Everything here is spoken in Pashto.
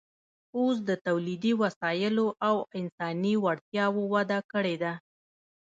اوس د تولیدي وسایلو او انساني وړتیاوو وده کړې ده